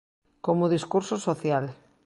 Como discurso social.